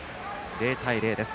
０対０です。